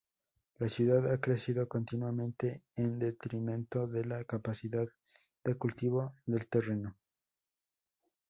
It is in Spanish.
La ciudad ha crecido continuamente en detrimento de la capacidad de cultivo del terreno.